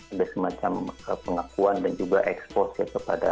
ada semacam pengakuan dan juga ekspos ya